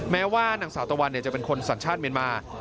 แม้ว่านางสาวตะวันจะเป็นคนสัญชาติเมียนมา